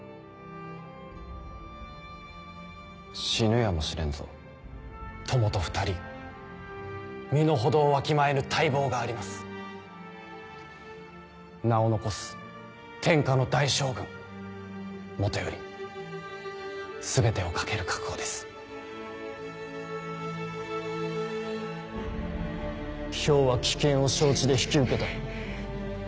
死ぬやもしれぬぞ友と２人身の程をわきまえぬ大望があ名を残す天下の大将軍もとより全てを懸ける覚悟です漂は危険を承知で引き受けた。